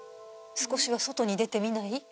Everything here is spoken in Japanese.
少しは外に出てみない？